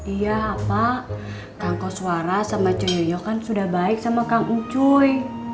iya pak kak koswara sama coyoya kan sudah baik sama kak ncuy